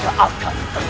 dan tidak akan ada lagi